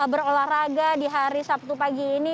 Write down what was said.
berolahraga di hari sabtu pagi ini